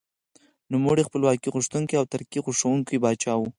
نوموړی خپلواکي غوښتونکی او ترقي خوښوونکی پاچا و.